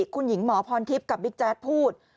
คุณหญิงหมอพรทิพย์กับบิ๊กแจ๊ดพูด